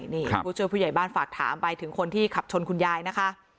นี่ผู้ช่วยผู้ใหญ่บ้านฝากถามไปถึงคนที่ขับชนคุณยายนะคะ